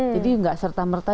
jadi gak serta merta